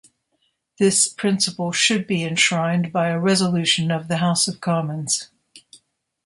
This principle should be enshrined by a resolution of the House of Commons.